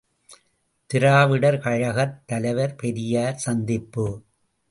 ● திராவிடர் கழகத் தலைவர் பெரியார் சந்திப்பு.